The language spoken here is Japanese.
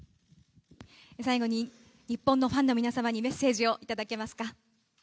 最後に日本のファンの皆様にメッセージをいただけますか。